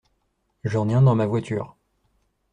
J’en ai un dans ma voiture.